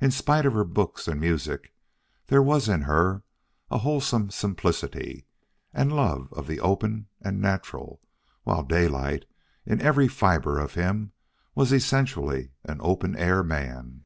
In spite of her books and music, there was in her a wholesome simplicity and love of the open and natural, while Daylight, in every fiber of him, was essentially an open air man.